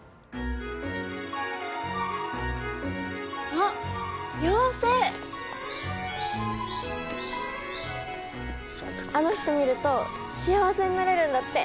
あの人見ると幸せになれるんだって。